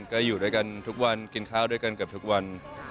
ก็อยู่ด้วยกันทุกวันกินข้าวด้วยกันเกือบทุกวัน